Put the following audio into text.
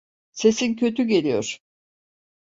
Sesin kötü geliyor.